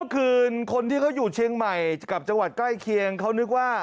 คืนคนที่เขาอยู่เชียงใหม่กับจังหวัดใกล้เคียงเขานึกว่า